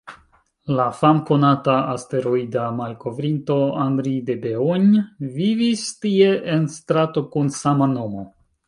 La famkonata asteroida malkovrinto Henri Debehogne vivis tie en strato kun sama nomo.